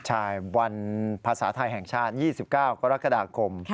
ใช่วันภาษาไทยแห่งชาติ๒๙กรกฎาคม